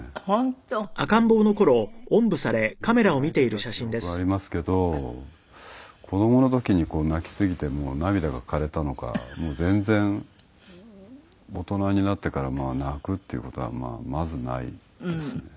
よく泣いてた記憶ありますけど子どもの時に泣きすぎてもう涙が枯れたのかもう全然大人になってから泣くっていう事はまあまずないです。